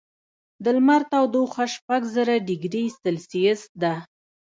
د لمر تودوخه شپږ زره ډګري سیلسیس ده.